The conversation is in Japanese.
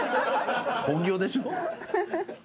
本業でしょ。